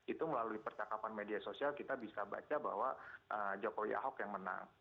itu melalui percakapan media sosial kita bisa baca bahwa jokowi ahok yang menang